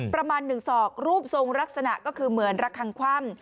ประมาณหนึ่งสอกรูปทรงลักษณะก็คือเหมือนลักขังควำ